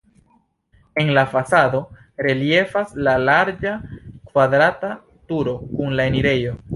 En la fasado reliefas la larĝa kvadrata turo kun la enirejo.